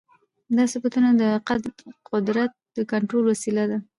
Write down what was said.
دا ثبتونه د قدرت د کنټرول وسیله وه.